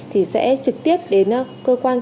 thì sẽ trực tiếp đến cơ quan công an